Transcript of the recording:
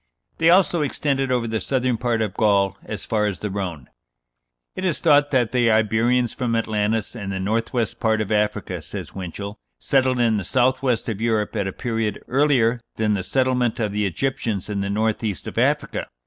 They also extended over the southern part of Gaul as far as the Rhone. "It is thought that the Iberians from Atlantis and the north west part of Africa," says Winchell, "settled in the south west of Europe at a period earlier than the settlement of the Egyptians in the north east of Africa.